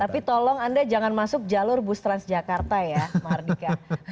tapi tolong anda jangan masuk jalur bus transjakarta ya mardika